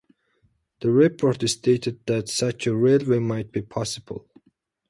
The report stated that such a railway might be possible.